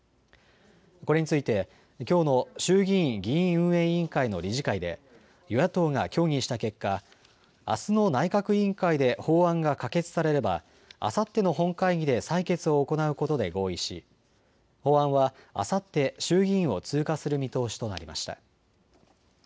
これについてきょうの衆議院議院運営委員会の理事会で与野党が協議した結果、あすの内閣委員会で法案が可決されればあさっての本会議で採決を行うことで合意し法案はあさって衆議院を通過する見通しとなりました。